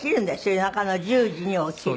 夜中の１０時に起きる。